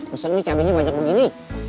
maksud lo cabainya banyak begini